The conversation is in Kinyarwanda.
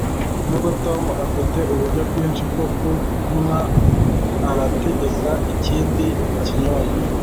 Nubwo Tom afite uburyo bwinshi bwo kunywa arategeka ikindi kinyobwa